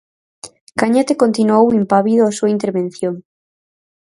Cañete continuou impávido a súa intervención.